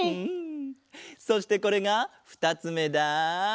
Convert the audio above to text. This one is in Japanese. そしてこれがふたつめだ。